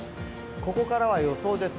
ここからは予想です。